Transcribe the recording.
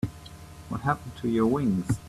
What happened to your wings?